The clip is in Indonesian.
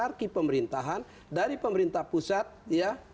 instrumen hirarki pemerintahan dari pemerintah pusat ya